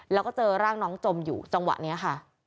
แล้วก็เจอร่างน้องจมอยู่จังหวะนี้ค่ะ